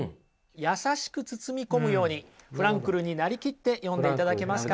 優しく包み込むようにフランクルになりきって読んでいただけますか？